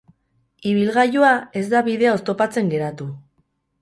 Ibilgailua ez da bidea oztopatzen geratu.